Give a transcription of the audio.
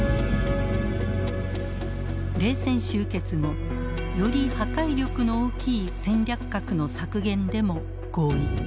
冷戦終結後より破壊力の大きい戦略核の削減でも合意。